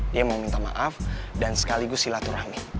dia mau minta maaf dan sekaligus silaturahmi